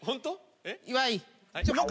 岩井！